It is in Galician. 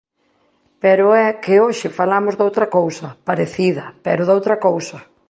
Pero é que hoxe falamos doutra cousa, parecida, pero doutra cousa.